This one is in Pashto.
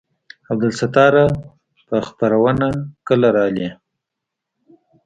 عبدالستاره په خيرونه کله رالې.